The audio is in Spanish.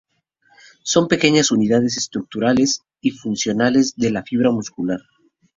Son pequeñas unidades estructurales y funcionales de la fibra muscular.